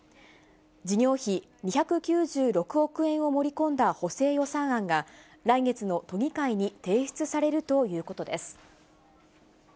事業費２９６億円を盛り込んだ補正予算案が、来月の都議会に提出されるということです。